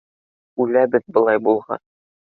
Үләбеҙ, былай булғас.